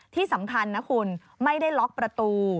ที่สำคัญนะคุณไม่ได้ล็อกประตู